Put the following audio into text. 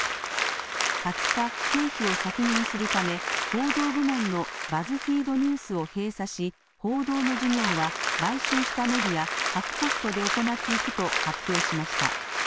２０日、経費を削減するため報道部門のバズフィード・ニュースを閉鎖し報道の事業は買収したメディアハフポストで行っていくと発表しました。